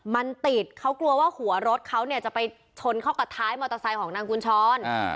มันติดเขากลัวว่าหัวรถเขาเนี่ยจะไปชนเข้ากับท้ายมอเตอร์ไซค์ของนางกุญชร